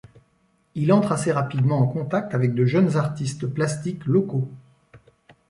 Il entre assez rapidement en contact avec de jeunes artistes plastiques locaux.